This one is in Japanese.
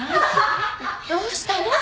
どうしたの？